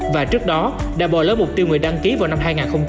và trước đó đã bỏ lỡ mục tiêu người đăng ký vào năm hai nghìn hai mươi